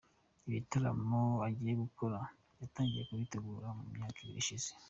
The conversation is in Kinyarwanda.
Ibitaramo agiye gukora yatangiye kubitegura mu myaka ibiri ishize.